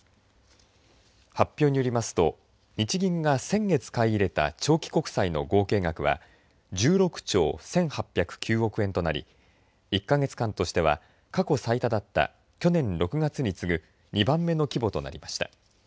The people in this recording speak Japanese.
発表によりますと、日銀が先月買い入れた長期国債の合計額は１６兆１８０９億円となり１か月間としては過去最多だった去年６月に次ぐ２番目の規模となりました。